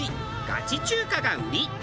ガチ中華が売り。